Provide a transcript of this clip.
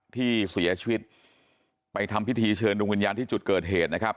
ที่เสียชีวิตไปทำพิธีเชิญดวงวิญญาณที่จุดเกิดเหตุนะครับ